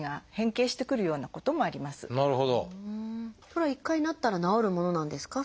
これは１回なったら治るものなんですか？